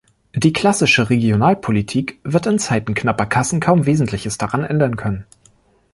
Die klassische Regionalpolitik wird in Zeiten knapper Kassen kaum Wesentliches daran ändern können.